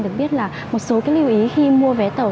được biết là một số cái lưu ý khi mua vé tàu